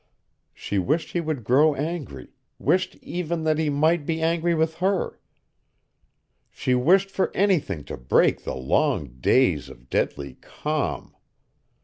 She wished he would grow angry, wished even that he might be angry with her.... She wished for anything to break the long days of deadly calm.